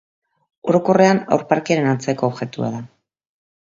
Orokorrean, haur-parkearen antzeko objektua da.